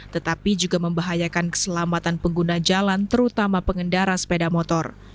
tetapi juga membahayakan keselamatan pengguna jalan terutama pengendara sepeda motor